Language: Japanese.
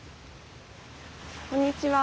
こんにちは。